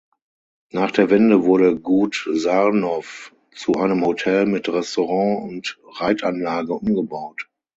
Nach der Wende wurde Gut Sarnow zu einem Hotel mit Restaurant und Reitanlage umgebaut.